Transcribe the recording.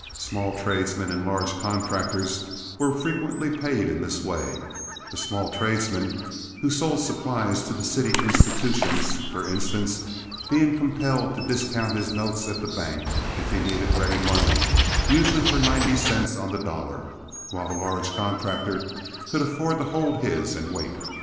Small tradesmen and large contractors were frequently paid in this way; the small tradesman who sold supplies to the city institutions, for instance, being compelled to discount his notes at the bank, if he needed ready money, usually for ninety cents on the dollar, while the large contractor could afford to hold his and wait.